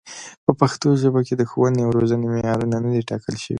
په پښتو ژبه د ښوونې او روزنې معیارونه نه دي ټاکل شوي.